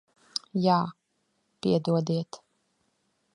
Jā. Piedodiet.